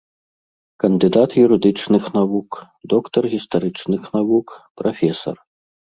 Кандыдат юрыдычных навук, доктар гістарычных навук, прафесар.